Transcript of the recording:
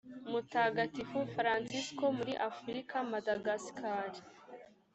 mutagatifu fransisko muri afurika madagasikari